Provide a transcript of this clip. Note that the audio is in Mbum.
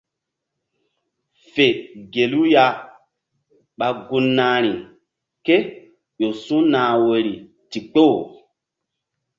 Fe gelu ya ɓa gun nahri kéƴo su̧nah woyri ndikpoh.